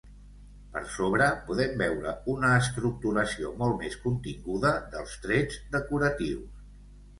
Per sobre, podem veure una estructuració molt més continguda dels trets decoratius.